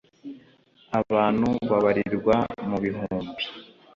abantu babarirwa mu bihumbi